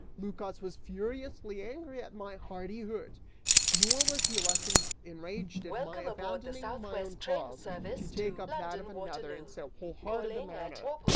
Lycas was furiously angry at my hardihood, nor was he less enraged at my abandoning my own cause, to take up that of another, in so wholehearted a manner.